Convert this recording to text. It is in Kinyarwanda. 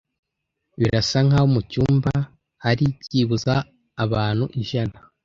Birasa nkaho mucyumba hari byibuze abantu ijana.